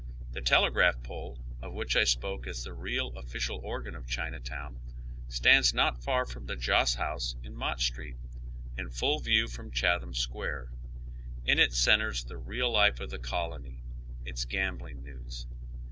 The telegraph pole, of which I spoke as the real official organ of Chinatown, stands not far fi om the Joss House in Mott Street, in full view from Chatham Square, In it centres the real life of the col _.v.v ^y. CHINATOWN. 101 ony, its gambling news.